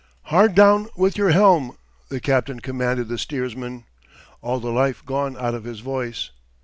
"Hard down with your helm!" the captain commanded the steersman, all the life gone out of his voice.